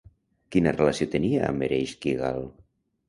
Quina relació tenia amb Ereixkigal?